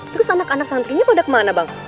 terus anak anak santrinya pada kemana bang